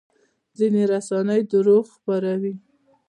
ځینې رسنۍ درواغ خپروي.